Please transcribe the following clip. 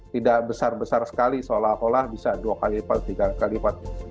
tidak besar besar sekali seolah olah bisa dua kali lipat tiga kali lipat